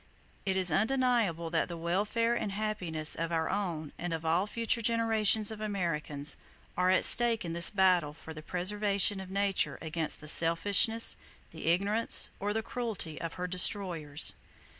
It is undeniable that the welfare and happiness of our own and of all future generations of Americans are at stake in this battle for the preservation of Nature against the selfishness, the ignorance, or the cruelty of her destroyers.